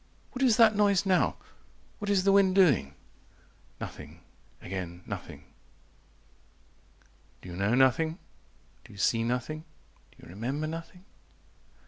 "What is that noise now? What is the wind doing?" Nothing again nothing. 120 "Do "You know nothing? Do you see nothing? Do you remember "Nothing?"